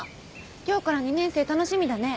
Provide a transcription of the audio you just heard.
今日から２年生楽しみだね。